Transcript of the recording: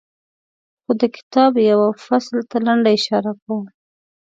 خو د کتاب یوه فصل ته لنډه اشاره کوم.